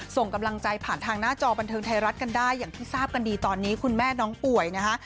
ส่งกำลังใจผ่านทางหน้าจอบันเทิงไทยรัฐกันได้อย่างที่ทราบกันดีตอนนี้คุณแม่น้องป่วยนะฮะ